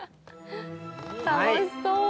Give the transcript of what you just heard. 楽しそう。